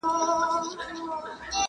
حقوقپوهان ولي په ګډه اقتصادي همکاري کوي؟